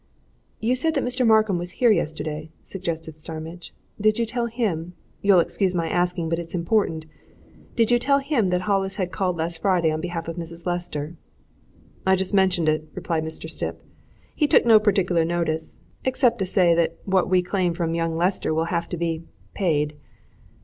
"You said that Mr. Markham was here yesterday," suggested Starmidge. "Did you tell him you'll excuse my asking, but it's important did you tell him that Hollis had called last Friday on behalf of Mrs. Lester?" "I just mentioned it," replied Mr. Stipp. "He took no particular notice except to say that what we claim from young Lester will have to be paid."